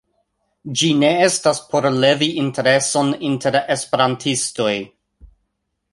Ĝi ne estas por levi intereson inter Esperantistoj.